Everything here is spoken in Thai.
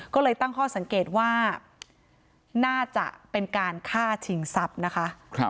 ก็เลยตั้งข้อสังเกตว่าน่าจะเป็นการฆ่าชิงทรัพย์นะคะ